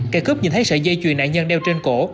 cây cướp nhìn thấy sợi dây chuyền nạn nhân đeo trên cổ